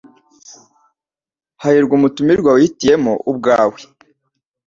Hahirwa umutumirwa wihitiyemo ubwawe